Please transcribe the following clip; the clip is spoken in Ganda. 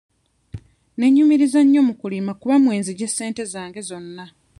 Neenyumiriza nnyo mu kulima kuba mwe nzigye ssente zange zonna.